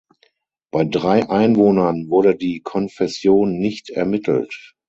Bei drei Einwohnern wurde die Konfession nicht ermittelt.